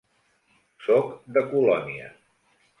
Soc de Colònia.